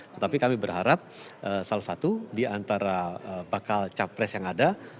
tetapi kami berharap salah satu di antara bakal capres yang ada